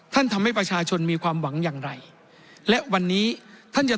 ทำให้ประชาชนมีความหวังอย่างไรและวันนี้ท่านจะ